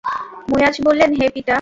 মুয়ায বললেন, হে পিতা!